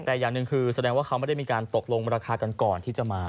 แต่อย่างหนึ่งคือแสดงว่าเขาไม่ได้มีการตกลงราคากันก่อนที่จะมา